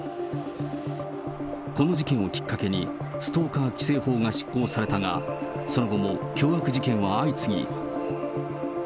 この事件をきっかけに、ストーカー規制法が施行されたが、その後も凶悪事件は相次ぎ。